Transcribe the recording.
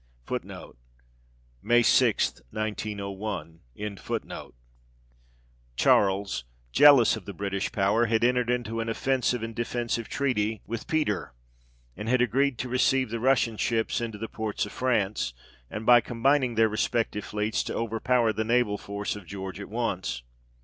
1 Charles, jealous of the British power, had entered into an offensive and de fensive treaty with Peter, and had agreed to receive the Russian ships into the ports of France ; and by combining their respective fleets, to overpower the naval force of George at once.